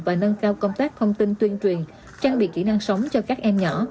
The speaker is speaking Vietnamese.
và nâng cao công tác thông tin tuyên truyền trang bị kỹ năng sống cho các em nhỏ